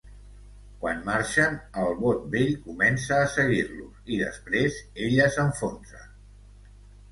Quan marxen, el bot vell comença a seguir-los i després ella s'enfonsa.